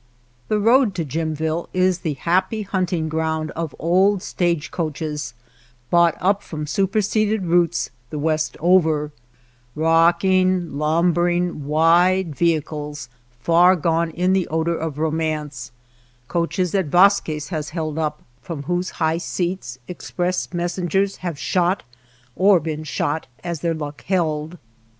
The road to Jimville is the happy hunt ing ground of old stage coaches bought 1 06 JIMVILLE up from superseded routes the West over, rocking, lumbering, wide vehicles far gone in the odor of romance, coaches that Vas quez has held up, from whose high seats express messengers have shot or been shot as their luck held.